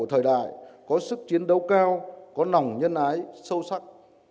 trong thời đại có sức chiến đấu cao có nòng nhân ái sâu sắc